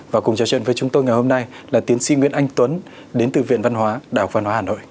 và cùng trò chuyện với chúng tôi ngày hôm nay là tiến sĩ nguyễn anh tuấn đến từ viện văn hóa đào văn hóa hà nội